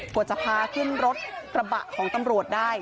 กว่าจะพาขึ้นรถกระบะของตำรวจได้